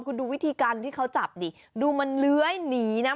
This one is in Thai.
คุณดูวิธีการที่เขาจับดิดูมันเลื้อยหนีนะ